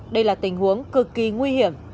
đây là tình huống cực kỳ nguy hiểm